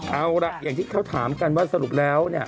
เอาล่ะอย่างที่เขาถามกันว่าสรุปแล้วเนี่ย